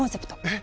え？